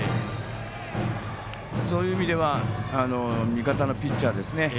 そういう意味では味方のピッチャーですね。